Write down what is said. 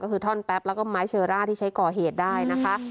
ก็คือท่อนแป๊บแล้วก็ไม้เชอร่าที่ใช้ก่อเหตุได้นะคะ